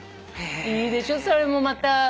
いいでしょそれもまた。